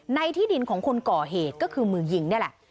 ในที่ดินของคนก่อเหตุก็คือมือยิงนี่แหละ